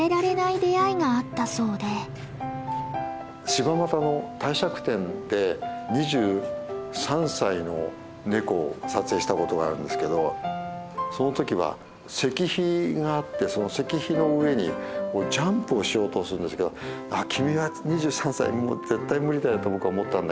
柴又の帝釈天で２３歳のネコを撮影したことがあるんですけどその時は石碑があってその石碑の上にジャンプをしようとするんですけど「君は２３歳で絶対無理だよ」と僕は思ったんだけど。